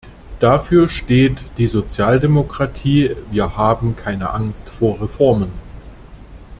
Dafür steht die Sozialdemokratie wir haben keine Angst vor Reformen.